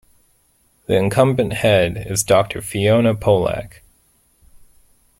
The incumbent Head is Doctor Fiona Polack.